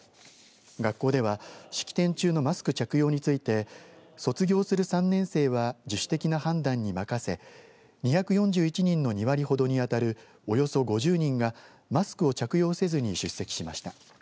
学校では式典中のマスク着用について卒業する３年生は自主的な判断に任せ２４１人の２割ほどに当たるおよそ５０人がマスクを着用せずに出席しました。